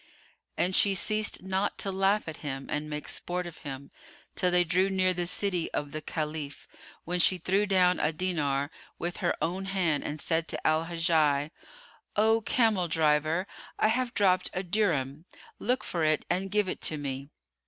And she ceased not to laugh at him and make sport of him, till they drew near the city of the Caliph, when she threw down a dinar with her own hand and said to Al Hajjaj, "O camel driver, I have dropped a dirham; look for it and give it to me."